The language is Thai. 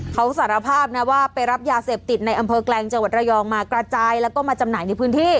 เขาสารภาพนะว่าไปรับยาเสพติดในอำเภอแกลงจังหวัดระยองมากระจายแล้วก็มาจำหน่ายในพื้นที่